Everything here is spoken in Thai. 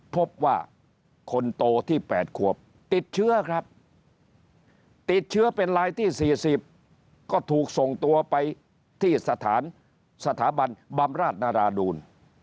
พบว่าคนโตที่๘ขวบติดเชื้อครับติดเชื้อเป็นรายที่๔๐ก็ถูกส่งตัวไปที่สถานสถาบันบำราชนาราดูล